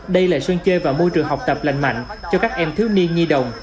đây là sân chơi và môi trường học tập lành mạnh cho các em thiếu niên nhi đồng